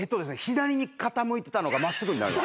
左に傾いてたのが真っすぐになる。